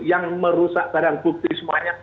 yang merusak barang bukti semuanya